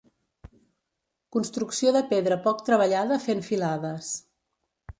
Construcció de pedra poc treballada fen filades.